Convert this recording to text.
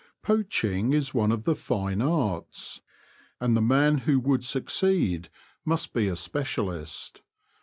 Poaching is one of the fine arts, and the man who would succeed must be a specialist.